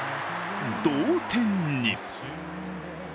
同点に。